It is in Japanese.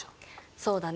そうだね。